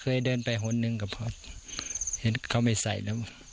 ก็เลยเดินไปหนึ่งหนึ่งกับเขาเห็นเขาไม่ใส่แล้ว